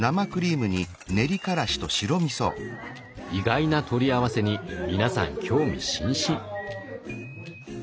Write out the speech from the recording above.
意外な取り合わせに皆さん興味津々。